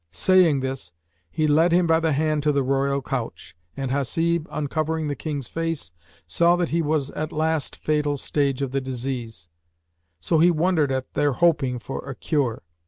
Saying this, he led him by the hand to the royal couch, and Hasib, uncovering the King's face, saw that he was at last fatal stage of the disease; so he wondered at their hoping for a cure.